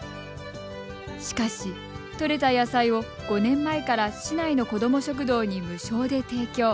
しかし、採れた野菜を５年前から市内の子ども食堂に無償で提供。